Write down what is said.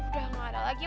udah yang ada lagi ya